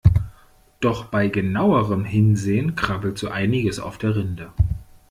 Doch bei genauerem Hinsehen krabbelt so einiges auf der Rinde.